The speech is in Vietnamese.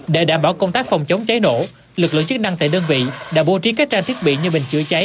để đảm bảo công tác phòng chống cháy nổ lực lượng chức năng tại đơn vị đã bố trí các trang thiết bị như bình chữa cháy